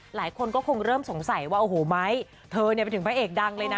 หลายคนก็คงเริ่มสงสัยว่าโอ้โหไม้เธอเนี่ยไปถึงพระเอกดังเลยนะ